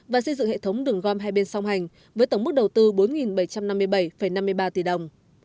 và xây dựng hệ thống đường gom hai bên song hành với tổng mức đầu tư bốn bảy trăm năm mươi bảy năm mươi ba tỷ đồng